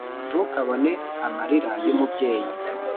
ntukabone amalira y’umubyeyi